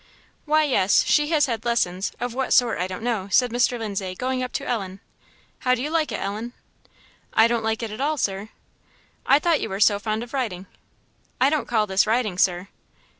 "Why, yes, she has had lessons of what sort I don't know," said Mr. Lindsay, going up to Ellen. "How do you like it, Ellen?" "I don't like it at all, Sir." "I thought you were so fond of riding." "I don't call this riding, Sir."